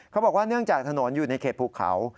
เขาบอกว่าเนื่องจากถนนอยู่ในเขตภูเขา